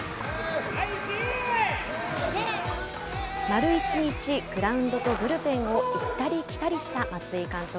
丸１日、グラウンドとブルペンを行ったり来たりした松井監督。